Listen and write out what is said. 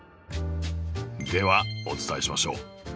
ではお伝えしましょう。